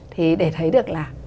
thì để thấy được là